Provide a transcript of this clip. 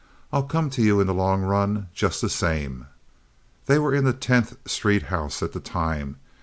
I'll come to you in the long run, just the same." They were in the Tenth Street house at the time.